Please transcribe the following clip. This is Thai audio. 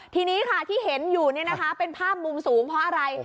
ทีนี้ค่ะที่เห็นอยู่เป็นภาพมุมสูงเพราะอะไร